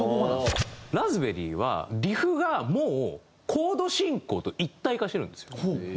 『Ｒａｓｐｂｅｒｒｙ』はリフがもうコード進行と一体化してるんですよ。